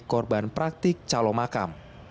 korban praktik calo makam